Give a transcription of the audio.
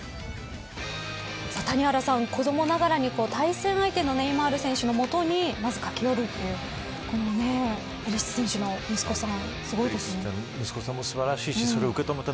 谷原さん子どもながらに対戦相手のネイマール選手のもとに、まず駆け寄るというこのペリシッチ選手の息子さん